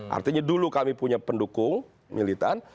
artinya dulu kami punya pendukung militan